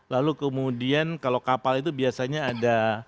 lalu kemudian kalau kapal itu biasanya ada